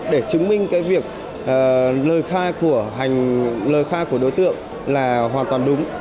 để chứng minh cái việc lời kha của đối tượng là hoàn toàn đúng